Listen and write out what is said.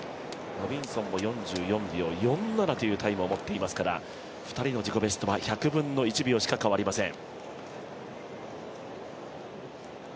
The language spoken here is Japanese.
ロビンソンも４４秒４７というタイムを持っていますから２人の自己ベストは１００分の１秒しか変わりません。